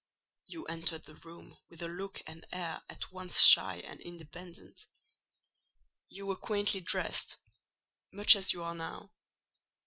You entered the room with a look and air at once shy and independent: you were quaintly dressed—much as you are now.